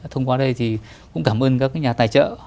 thông qua đây thì cũng cảm ơn các nhà tài trợ